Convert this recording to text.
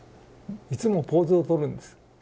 いつもポーズをとるんです。